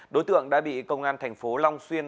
đối tượng đã bị công an thành phố long xuyên